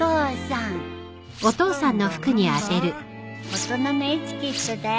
大人のエチケットだよ。